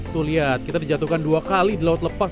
tuh lihat kita dijatuhkan dua kali di laut lepas